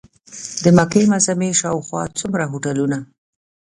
د مکې معظمې شاوخوا څومره هوټلونه.